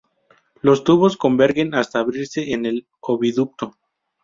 Los tubos convergen hasta abrirse en el oviducto.